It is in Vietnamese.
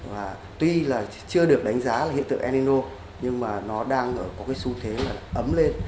và tuy là chưa được đánh giá là hiện tượng enino nhưng mà nó đang ở có cái xu thế là ấm lên